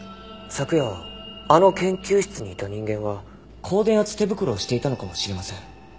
昨夜あの研究室にいた人間は高電圧手袋をしていたのかもしれません。